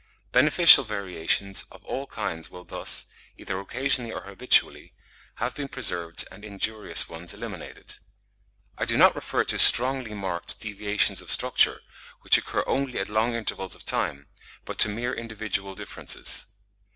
Beneficial variations of all kinds will thus, either occasionally or habitually, have been preserved and injurious ones eliminated. I do not refer to strongly marked deviations of structure, which occur only at long intervals of time, but to mere individual differences.